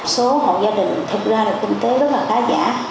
số hộ gia đình thực ra là kinh tế rất là khá giả